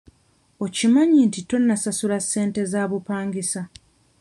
Okimanyi nti tonnasasula ssente za bupangisa?